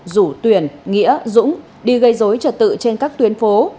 rủ tuyển nghĩa dũng đi gây dối trật tự trên các tuyến phố